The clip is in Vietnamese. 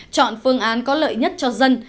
chọn phương án có lợi nhất cho dân